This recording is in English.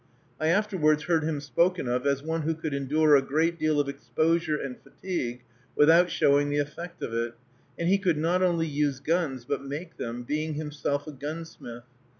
I afterwards heard him spoken of as one who could endure a great deal of exposure and fatigue without showing the effect of it; and he could not only use guns, but make them, being himself a gunsmith.